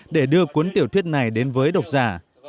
để đưa cuốn tiểu thuyết này đến với độc giả